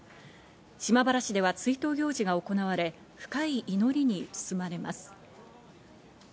島原市では追悼行事が行われ、深い祈りに包まれます。